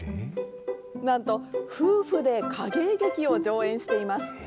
なんと夫婦で影絵劇を上演しています。